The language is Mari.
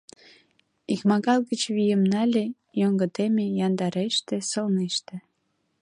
Икмагал гыч вийым нале, йоҥгыдеме, яндареште, сылнеште.